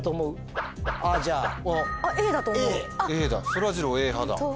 そらジローＡ派だ。